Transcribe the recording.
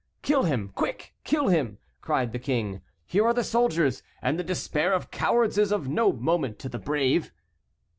"Kill him! Quick! Kill him!" cried the king, "here are the soldiers, and the despair of cowards is of no moment to the brave."